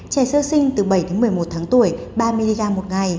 trẻ sơ sinh từ bảy đến một mươi một tháng tuổi ba mg một ngày